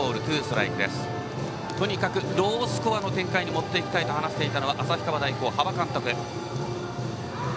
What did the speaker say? とにかくロースコアの展開に持っていきたいと話していたのは旭川大高、端場監督。